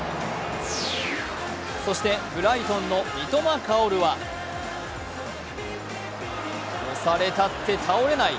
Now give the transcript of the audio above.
そしてブライトンの三笘薫は押されたって倒れない。